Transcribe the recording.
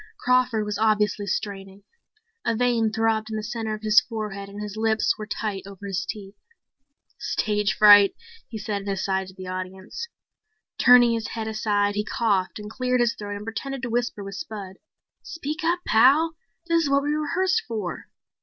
Crawford was obviously straining. A vein throbbed in the center of his forehead and his lips were tight over his teeth. "Stage fright," he said in an aside to the audience. Turning his head aside, he coughed and cleared his throat and pretended to whisper with Spud. "Speak up, Pal. This is what we rehearsed for."